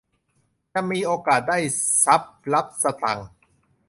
จะมีโอกาสได้ทรัพย์รับสตางค์